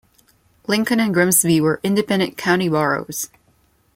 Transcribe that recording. Lincoln and Grimsby were independent county boroughs.